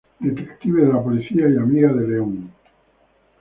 Detective de la policía y amiga de León.